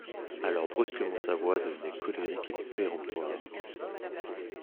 Alors brusquement sa voix devenait colérique et péremptoire.